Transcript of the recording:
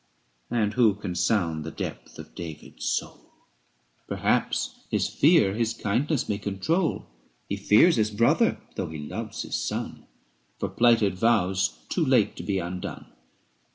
And who can sound the depth of David's soul? Perhaps his fear his kindness may control : He fears his brother, though he loves his son, For plighted vows too late to be undone.